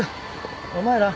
お前ら。